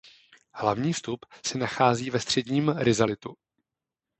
Hlavní vstup se nachází ve středním rizalitu.